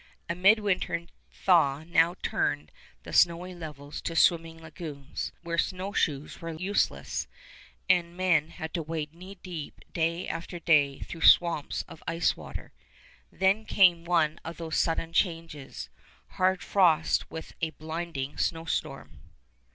A midwinter thaw now turned the snowy levels to swimming lagoons, where snowshoes were useless, and the men had to wade knee deep day after day through swamps of ice water. Then came one of those sudden changes, hard frost with a blinding snowstorm.